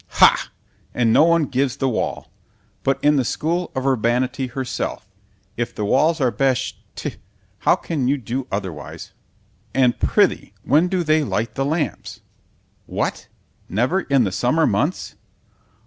Ha!——and no one gives the wall!——but in the SCHOOL of URBANITY herself, if the walls are besh t—how can you do otherwise? And prithee when do they light the lamps? What?—never in the summer months!